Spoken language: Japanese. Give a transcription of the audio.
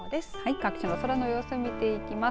各地の空の様子を見ていきます。